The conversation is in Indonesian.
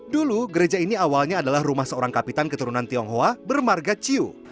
dulu gereja ini awalnya adalah rumah seorang kapitan keturunan tionghoa bermarga ciu